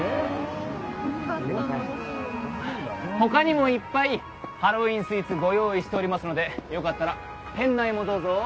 他にもいっぱいハロウィンスイーツご用意しておりますのでよかったら店内もどうぞ。